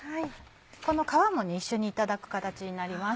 この皮も一緒にいただく形になります。